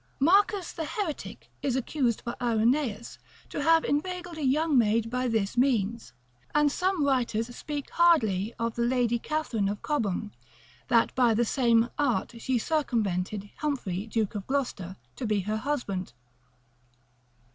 Marcus the heretic is accused by Irenaeus, to have inveigled a young maid by this means; and some writers speak hardly of the Lady Katharine Cobham, that by the same art she circumvented Humphrey Duke of Gloucester to be her husband.